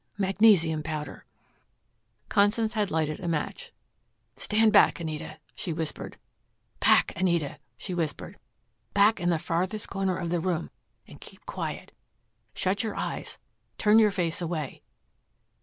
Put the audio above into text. "Magnesium powder." Constance had lighted a match. "Stand back, Anita," she whispered, "back, Anita," she whispered, "back in the farthest corner of the room, and keep quiet. Shut your eyes turn your face away!"